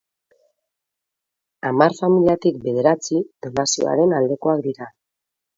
Hamar familiatik bederatzi donazioaren aldekoak dira.